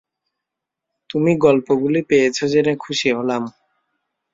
তুমি গল্পগুলি পেয়েছ জেনে খুশী হলাম।